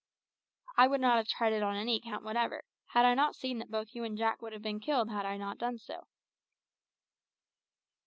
I would not have tried it on any account whatever, had I not seen that both you and Jack would have been killed had I not done so."